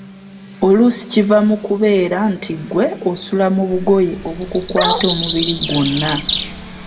Oluusi kiva mu kubeera nti ggwe osula mu bugoye obukukwata omubiri gwonna.